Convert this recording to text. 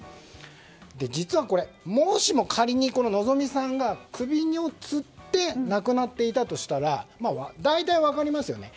実はもしも仮にのぞみさんが首をつって亡くなっていたとしたら大体、分かりますよね。